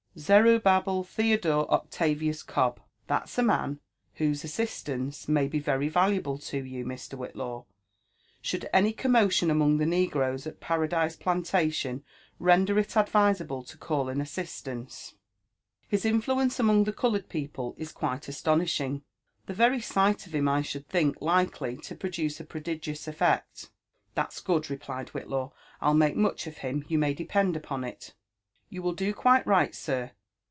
"Zerubbabel Theodore Octavius Cobb — that's a man whose assis tance may be very valuable to you, Mr. Whitlaw, should any com motion among the negroes at Paradise Plantation render it advisable to call in tssislance. His inQuence among the coloured people is quite astonishing. The very sight of him I should think likely to produce a prodigious effect." '* That's good,'' replied Whitlaw ;'' I'll make miich of him, you may depend upon it." " You will do quite right, sir.